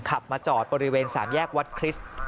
ขับมาจอดบริเวณสามแยกวัดคริสต์